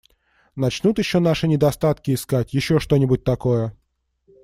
Начнут еще наши недостатки искать, еще что-нибудь такое.